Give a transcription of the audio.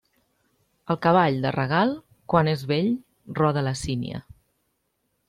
El cavall de regal, quan és vell, roda la sínia.